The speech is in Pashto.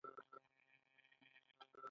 احمد په شونډو بزېدلو.